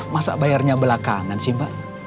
masa bayarnya belakangan sih mbak